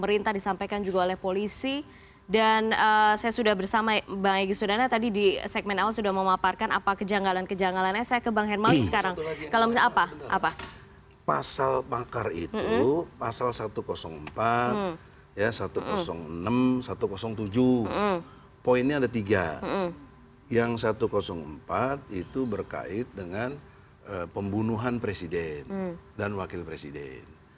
yang satu ratus empat itu berkait dengan pembunuhan presiden dan wakil presiden